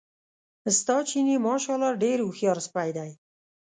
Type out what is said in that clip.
ستا چیني ماشاءالله ډېر هوښیار سپی دی.